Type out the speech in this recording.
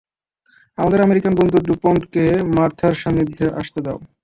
আমাদের আমেরিকান বন্ধু ডুপোন্টকে মার্থার সান্নিধ্যে আসতে দাও।